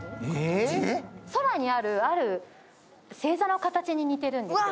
空にある、ある星座の形に似てるんですよ。